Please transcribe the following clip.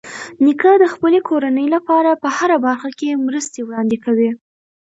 نیکه د خپلې کورنۍ لپاره په هره برخه کې مرستې وړاندې کوي.